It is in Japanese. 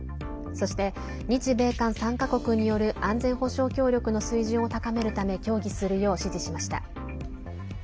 そして日米韓３か国による安全保障協力の水準を高めるため協議するよう指示しました。